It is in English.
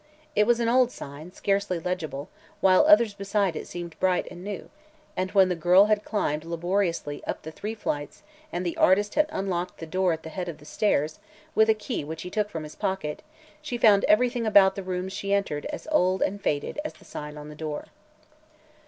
It was an old sign, scarcely legible, while others beside it seemed bright and new, and when the girl had climbed laboriously up the three flights and the artist had unlocked the door at the head of the stairs, with a key which he took from his pocket, she found everything about the rooms she entered as old and faded as the sign on the door.